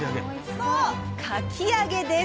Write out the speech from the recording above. そうかき揚げです。